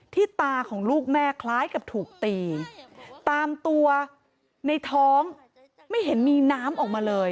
ตาของลูกแม่คล้ายกับถูกตีตามตัวในท้องไม่เห็นมีน้ำออกมาเลย